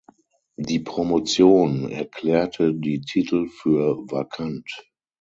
Die Promotion erklärte die Titel für vakant.